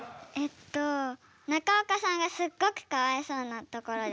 中岡さんがすっごくかわいそうなところです。